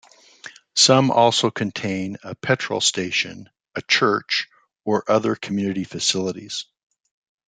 Some also contain a petrol station, a church, or other community facilities.